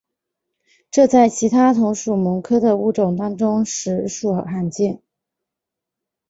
这在其他同属蠓科的物种当中实属罕见。